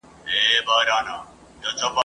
چا بچي غېږ کي نیول کراروله ..